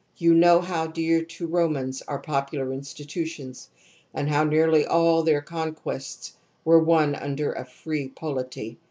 You know how dear to the Romans are popular institutions, and how nearly all their conquests were won under a free polity.